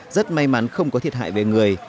rất may mắn không có thiệt hại về người